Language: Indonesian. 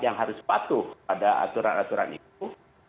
yang harus patuh pada aturan aturan itu